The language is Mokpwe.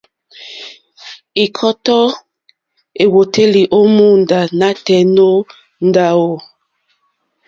Ɛ̀kɔ́tɔ́ èwòtélì ó mòóndá nǎtɛ̀ɛ̀ nǒ ndáwù.